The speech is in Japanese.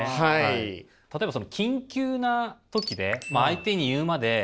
例えばその緊急な時で相手に言うまで何でしょう？